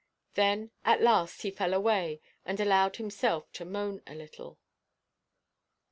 Then, at last, he fell away, and allowed himself to moan a little.